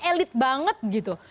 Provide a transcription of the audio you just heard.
elit banget gitu